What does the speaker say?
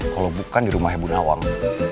kalo bukan di rumahnya bu nawang